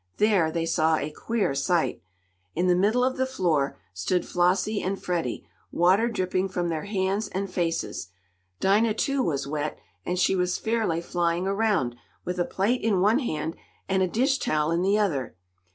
There they saw a queer sight. In the middle of the floor stood Flossie and Freddie, water dripping from their hands and faces. Dinah, too, was wet, and she was fairly flying around, with a plate in one hand and a dish towel in the other.